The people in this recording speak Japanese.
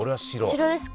白ですか？